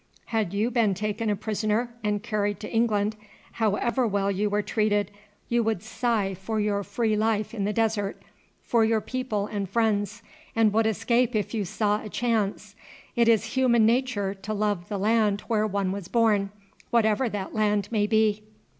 Had you been taken a prisoner and carried to England, however well you were treated you would sigh for your free life in the desert, for your people and friends, and would escape if you saw a chance. It is human nature to love the land where one was born, whatever that land may be."